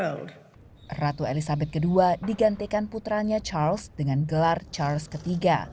lalu ratu elizabeth ii digantikan putranya charles dengan gelar charles iii